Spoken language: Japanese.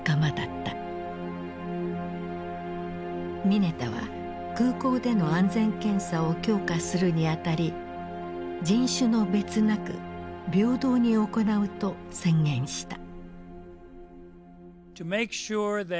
ミネタは空港での安全検査を強化するにあたり人種の別なく平等に行うと宣言した。